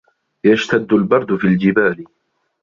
يَشْتَدُّ الْبَرْدُ فِي الْجِبَالِ.